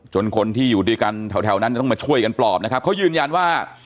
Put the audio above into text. คนที่อยู่ด้วยกันแถวนั้นจะต้องมาช่วยกันปลอบนะครับเขายืนยันว่า